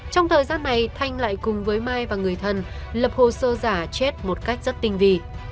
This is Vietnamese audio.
trong thời gian này thanh lại cùng với mai và người thân lập hồ sơ giả chết một cách rất tinh vi